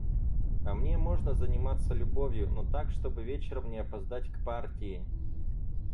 А мне можно заниматься любовью, но так, чтобы вечером не опоздать к партии.